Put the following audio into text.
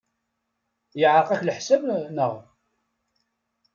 Yeɛreq-ak leḥsab, naɣ?